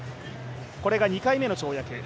これが２回目の跳躍。